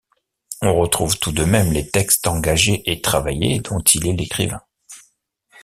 On retrouve tout de même les textes engagés et travaillés dont il est l'écrivain.